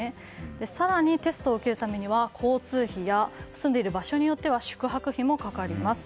更にテストを受けるためには交通費や住んでる場所によっては宿泊費もかかります。